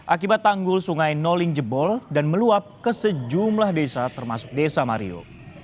akibat tanggul sungai noling jebol dan meluap ke sejumlah desa termasuk desa mario